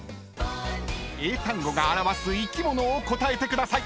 ［英単語が表す生き物を答えてください］